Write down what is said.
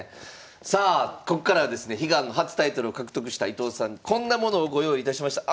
さあここからはですね悲願の初タイトルを獲得した伊藤さんにこんなものをご用意いたしました。